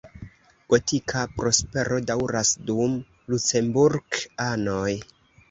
Gotika prospero daŭras dum Lucemburk-anoj.